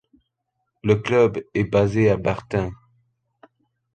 Le club est basé à Bartın.